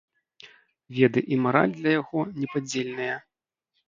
Веды і мараль для яго непадзельныя.